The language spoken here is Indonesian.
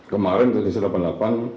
kemarin tkp u pie delapan puluh delapan